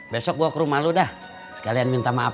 besok gua ke rumah lu dah kalian minta maaf